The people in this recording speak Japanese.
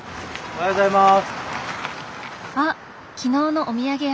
おはようございます。